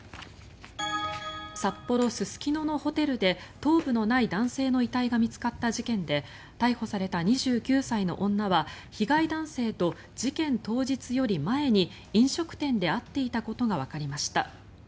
札幌・すすきののホテルで頭部のない男性の遺体が見つかった事件で逮捕された２９歳の女は被害男性と事件当日より前に飲食店で会っていたことがわかりました。